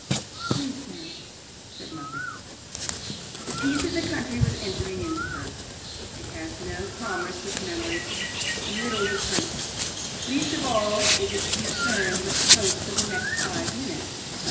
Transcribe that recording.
"Sleep now," said Margaret. The peace of the country was entering into her. It has no commerce with memory, and little with hope. Least of all is it concerned with the hopes of the next five minutes.